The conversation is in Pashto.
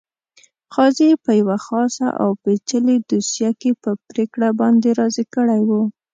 قاضي په یوه خاصه او پېچلې دوسیه کې په پرېکړه باندې راضي کړی وو.